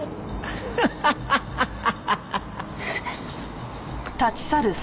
ハハハハハ。